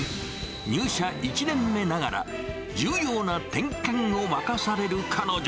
入社１年目ながら、重要な点検を任される彼女。